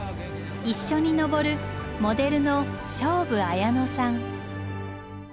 一緒に登るモデルの菖蒲理乃さん。